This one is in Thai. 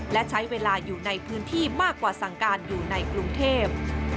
และใช้เวลาอยู่ในพื้นที่มากกว่าสั่งการอยู่ในกรุงเทพ